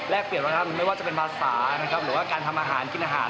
เปลี่ยนนะครับไม่ว่าจะเป็นภาษานะครับหรือว่าการทำอาหารกินอาหาร